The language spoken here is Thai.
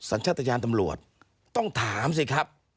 สัญชาติยานตำรวจต้องถามสิครับ